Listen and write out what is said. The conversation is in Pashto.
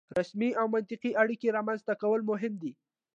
رسمي او منطقي اړیکې رامنځته کول مهم دي.